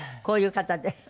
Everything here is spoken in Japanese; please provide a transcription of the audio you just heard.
こういう方で。